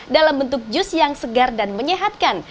dalam bentuk jus yang segar dan menyehatkan